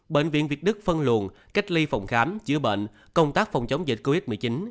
bệnh viện việt đức phân luồn cách ly phòng khám chữa bệnh công tác phòng chống dịch covid một mươi chín